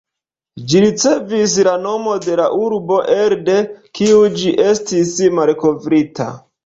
Ĝi ricevis la nomo de la urbo elde kiu ĝi estis malkovrita.